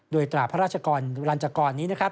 โดยตราพระราชกรนี้นะครับ